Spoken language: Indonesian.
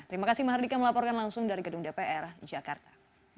terima kasih mahardika melaporkan langsung dari gedung dpr jakarta